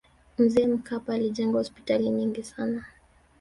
mzee mkapa alijenga hospitali nyingi sana